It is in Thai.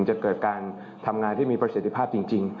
จะเกิดการทำงานที่มีประสิทธิภาพจริง